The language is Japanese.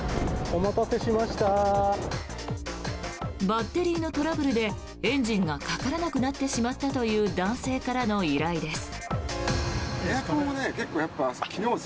バッテリーのトラブルでエンジンがかからなくなってしまったという男性からの依頼です。